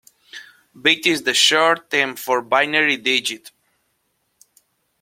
Bit is the short term for binary digit.